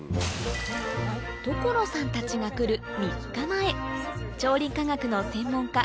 所さんたちが来る３日前調理科学の専門家